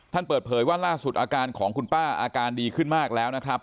เปิดเผยว่าล่าสุดอาการของคุณป้าอาการดีขึ้นมากแล้วนะครับ